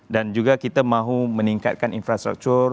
dan juga kita mahu meningkatkan infrastruktur